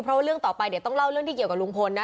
เพราะว่าเรื่องต่อไปเดี๋ยวต้องเล่าเรื่องที่เกี่ยวกับลุงพลนะ